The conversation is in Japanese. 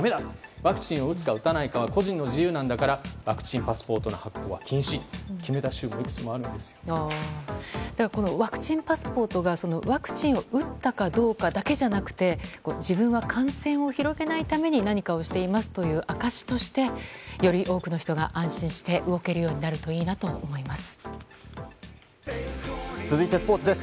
ワクチンを打つか打たないかは個人の自由なんだからワクチンパスポートの発行は禁止と決めた州もワクチンパスポートがワクチンを打ったかどうかだけじゃなくて自分は感染を広げないために何かをしていますという証としてより多くの人が安心して動けるようになるといいと思います。